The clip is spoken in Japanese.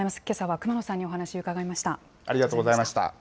けさは、熊野さんにお話を伺いました。